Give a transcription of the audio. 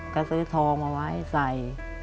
ก็ซื้อทองเอาไว้ใส่